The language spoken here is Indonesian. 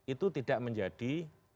itu tidak menjadi